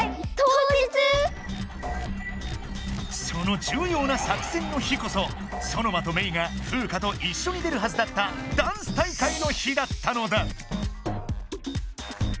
そのじゅうような作戦の日こそソノマとメイがフウカといっしょに出るはずだったダンス大会の日だったのだ。